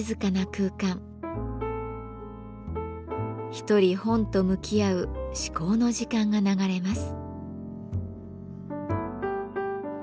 一人本と向き合う至高の時間が流れます。